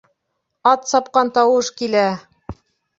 Ат сапҡан тауыш килә!